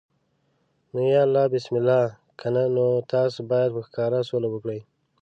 نو یا الله بسم الله، کنه نو تاسو باید په ښکاره سوله وکړئ.